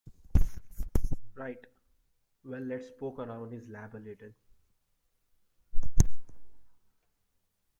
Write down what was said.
Right, well let's poke around his lab a little.